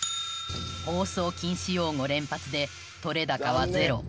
放送禁止用語連発で撮れ高はゼロ